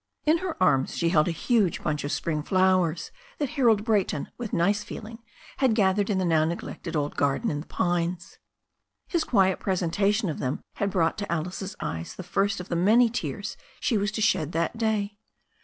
In her arms she held a huge bunch of spring flowers that Harold Brayton, with nice feeling, had gathered in the now neglected old garden in the pines. His quiet presentation of them had brought to Alice's eyes the first of the many tears she was to shed that day.